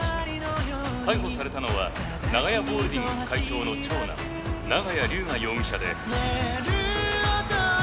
「逮捕されたのは長屋ホールディングス会長の長男長屋龍河容疑者で」